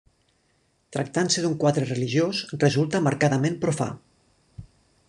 Tractant-se d'un quadre religiós, resulta marcadament profà.